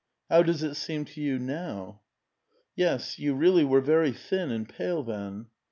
How does it seem to you now? "" Yes, you really were very thin and pale then."